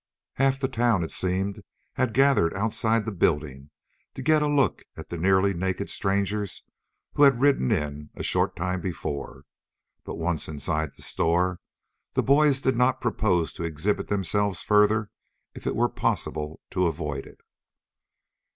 Half the town, it seemed, had gathered outside the building to get a look at the nearly naked strangers who had ridden in a short time before. But once inside the store, the boys did not propose to exhibit themselves further if it were possible to avoid it.